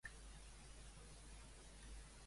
Opina el mateix Quim sobre aquesta iniciativa?